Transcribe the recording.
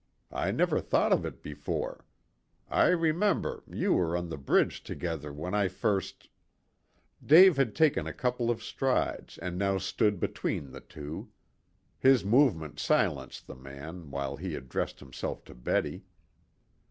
I never thought of it before. I remember, you were on the bridge together when I first " Dave had taken a couple of strides and now stood between the two. His movement silenced the man, while he addressed himself to Betty.